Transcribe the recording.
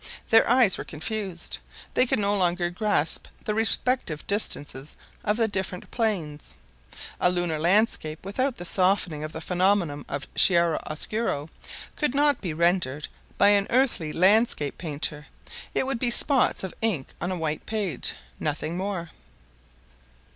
Their eyes were confused. They could no longer grasp the respective distances of the different plains. A lunar landscape without the softening of the phenomena of chiaro oscuro could not be rendered by an earthly landscape painter; it would be spots of ink on a white page—nothing more.